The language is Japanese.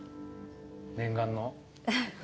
念願の？